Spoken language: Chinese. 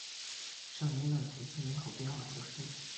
圣伊勒皮兹人口变化图示